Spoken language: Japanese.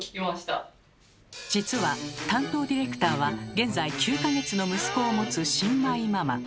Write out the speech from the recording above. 実は担当ディレクターは現在９か月の息子をもつ新米ママ。